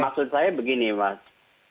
maksud saya begini mas